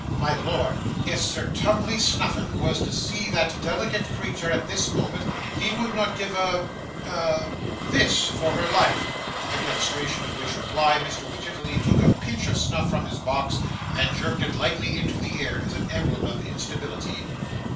My lord, if Sir Tumley Snuffim was to see that delicate creature at this moment, he would not give a a THIS for her life.' In illustration of which remark, Mr Wititterly took a pinch of snuff from his box, and jerked it lightly into the air as an emblem of instability.